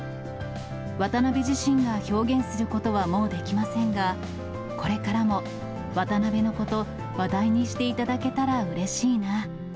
渡辺自身が表現することはもうできませんが、これからも渡辺のこと、話題にしていただけたら、うれしいなぁ。